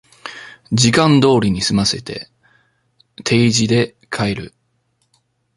時間通りに済ませて定時で帰る